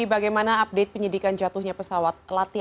bagaimana update penyidikan jatuhnya pesawat latih